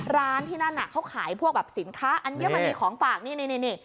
ร้านที่นั่นน่ะเขาขายพวกสินค้าอันนี้มันมีของฝากนี่